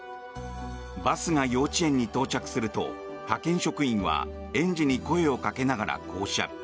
バスが幼稚園に到着すると派遣職員は園児に声をかけながら降車。